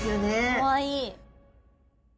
かわいい。